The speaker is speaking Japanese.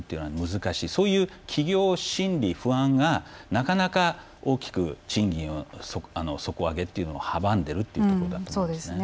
そういう企業心理不安がなかなか大きく賃金底上げっていうのを阻んでるっていうとこだと思うんですね。